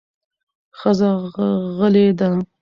ښځه غلې ده